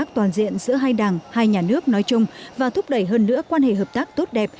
toàn diện giữa hai đảng hai nhà nước nói chung và thúc đẩy hơn nữa quan hệ hợp tác tốt đẹp